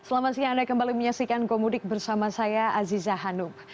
selamat siang anda kembali menyaksikan gomudik bersama saya aziza hanum